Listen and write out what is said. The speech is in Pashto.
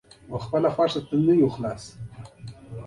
غواړې په ثبوت یې درته وښیم او باور دې راشي.